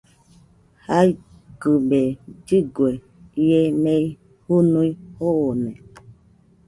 Jaikɨbe lligue, ie mei jɨnui joone.